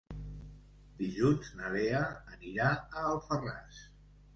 Dilluns na Lea anirà a Alfarràs.